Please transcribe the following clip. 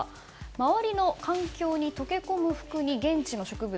周りの環境に溶け込む服に現地の植物